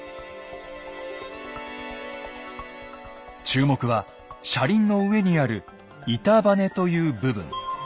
注目は車輪の上にある「板バネ」という部分。